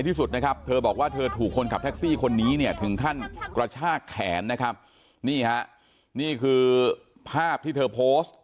ที่คนนี้ถึงท่านกระชากแขนนี่ค่ะนี่คือภาพที่เธอโพสต์